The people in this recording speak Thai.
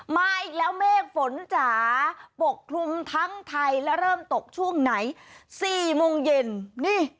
มาอีกแล้วเมฆฝนจ๋าปกคลุมทั้งไทยและเริ่มตกช่วงไหนสี่โมงเย็นนี่